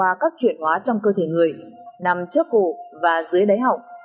và các chuyển hóa trong cơ thể người nằm trước cổ và dưới đáy học